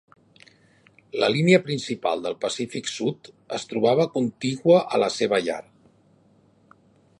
La línia principal del Pacífic Sud es trobava contigua a la seva llar.